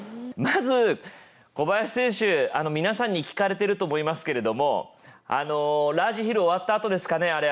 まず小林選手、皆さんに聞かれていると思いますがラージヒル終わったあとですかね